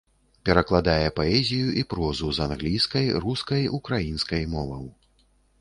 Перакладае паэзію і прозу з англійскай, рускай, украінскай моваў.